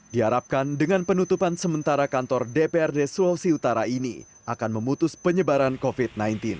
diharapkan dengan penutupan sementara kantor dprd sulawesi utara ini akan memutus penyebaran covid sembilan belas